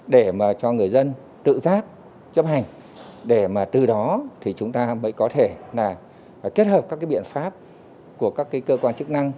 để cho người dân tự giác chấp hành để từ đó chúng ta mới có thể kết hợp các biện pháp của các cơ quan chức năng